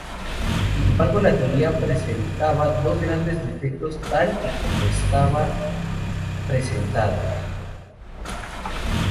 Sin embargo, la teoría presentaba dos grandes defectos tal y como estaba presentada.